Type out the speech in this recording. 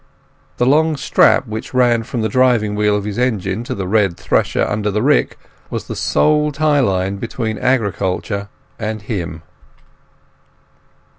The long strap which ran from the driving wheel of his engine to the red thresher under the rick was the sole tie line between agriculture and him.